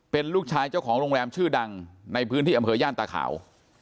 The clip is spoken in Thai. เป็นลูกชายเจ้าของโรงแรมชื่อดังในพื้นที่อำเภอย่านตาขาว